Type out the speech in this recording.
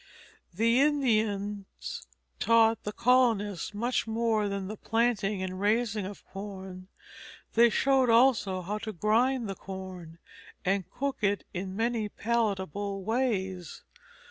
The Indians taught the colonists much more than the planting and raising of corn; they showed also how to grind the corn and cook it in many palatable ways.